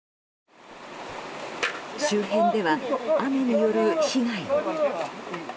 周辺では、雨による被害も。